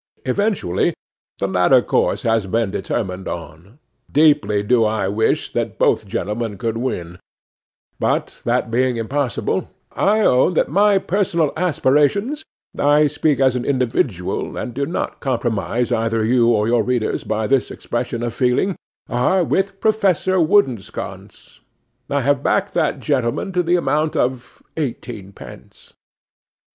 Eventually the latter course has been determined on. Deeply do I wish that both gentlemen could win; but that being impossible, I own that my personal aspirations (I speak as an individual, and do not compromise either you or your readers by this expression of feeling) are with Professor Woodensconce. I have backed that gentleman to the amount of eighteenpence.